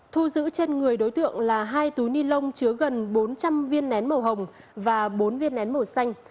thu giữ trên người đối tượng là hai túi ni lông chứa gần bốn trăm linh viên nén màu hồng và bốn viên nén màu xanh